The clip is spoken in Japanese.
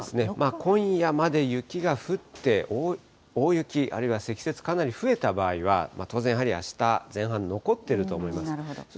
今夜まで、雪が降って、大雪、あるいは積雪、かなり増えた場合は、当然やはり、あした前半、残ってると思います。